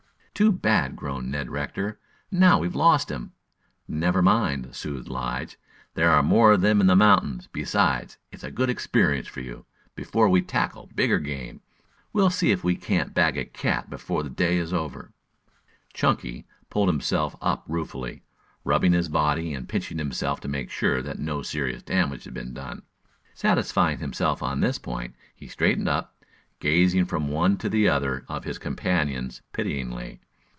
"Too bad," groaned Ned Rector. "Now, we've lost him." "Never mind," soothed Lige. "There are more of them in the mountains. Besides, it's a good experience for you, before we tackle bigger game. We'll see if we can't bag a cat before the day is over." Chunky pulled himself up ruefully, rubbing his body and pinching himself to make sure that no serious damage had been done. Satisfying himself on this point, he straightened up, gazing from one to the other of his companions pityingly.